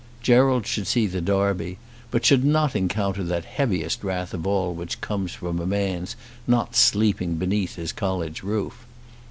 Gerald should see the Derby, but should not encounter that heaviest wrath of all which comes from a man's not sleeping beneath his college roof.